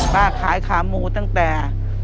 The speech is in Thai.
ขายขาหมูตั้งแต่